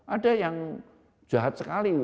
ada yang jahat sekali